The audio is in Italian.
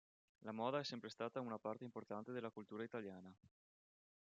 La moda è sempre stata una parte importante della cultura italiana.